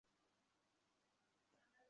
আমি এই সমাজের উচ্চ মর্যাদায় আছি।